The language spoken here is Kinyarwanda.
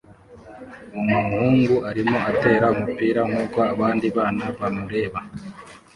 Umuhungu arimo atera umupira nkuko abandi bana bamureba